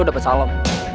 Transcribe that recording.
lu dapat salam